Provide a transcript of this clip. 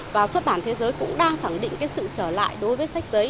và xuất bản thế giới cũng đang khẳng định cái sự trở lại đối với sách giấy